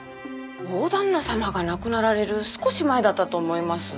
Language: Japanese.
大旦那様が亡くなられる少し前だったと思います。